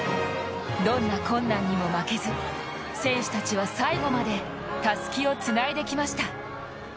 どんな困難にも負けず選手たちは最後までたすきをつないできました。